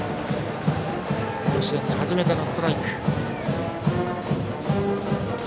甲子園で初めてのストライク。